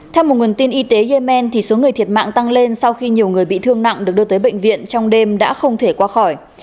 theo một nguồn tin y tế yemen số người thiệt mạng tăng lên sau khi nhiều người bị thương nặng được đưa tới bệnh viện trong đêm đã không thể qua khỏi